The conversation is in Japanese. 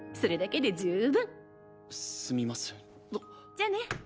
じゃあね。